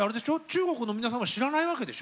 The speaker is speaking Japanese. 中国の皆さんは知らないわけでしょ？